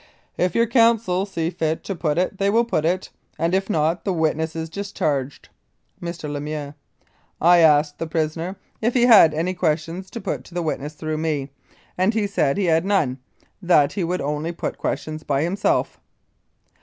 : If your counsel see fit to put it they will put it, and if not the witness is discharged. Mr. LEMIEUX: I asked the prisoner if he had any questions to put to the witness through me, and he said he had none, that he would only put questions by himself.